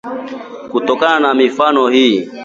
Kutokana na mifano hii